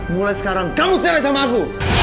mulai sekarang kamu tele sama aku